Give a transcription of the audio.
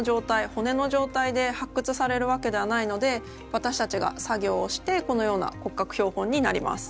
骨のじょうたいで発掘されるわけではないので私たちが作業をしてこのような骨格標本になります。